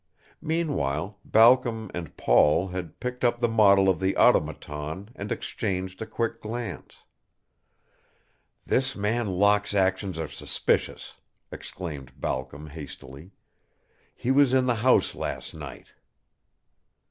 Meanwhile, Balcom and Paul had picked up the model of the automaton and exchanged a quick glance. "This man Locke's actions are suspicious," exclaimed Balcom, hastily. "He was in the house last night."